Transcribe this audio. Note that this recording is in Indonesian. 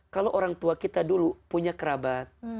kalau orang tua kita dulu punya kerabat